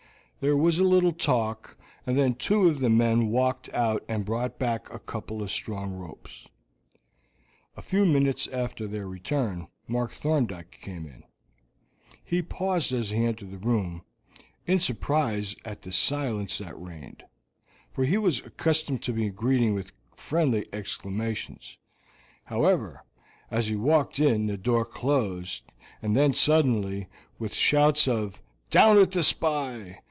There was a little talk, and then two of the men went out and brought back a couple of strong ropes. A few minutes after their return Mark Thorndyke came in. He paused as he entered the room, in surprise at the silence that reigned, for he was accustomed to be greeted with friendly exclamations. However, as he walked in the door closed, and then suddenly, with shouts of "Down with the spy!"